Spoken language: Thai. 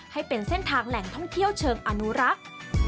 ให้เป็นเส้นทางแหล่งท่องเที่ยวเชิงอนุรักษ์